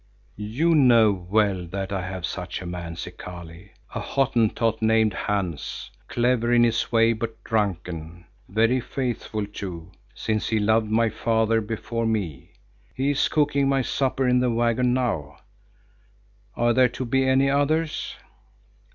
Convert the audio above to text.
"You know well that I have such a man, Zikali, a Hottentot named Hans, clever in his way but drunken, very faithful too, since he loved my father before me. He is cooking my supper in the waggon now. Are there to be any others?"